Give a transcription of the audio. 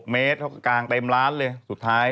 เมตรเขาก็กางเต็มร้านเลยสุดท้าย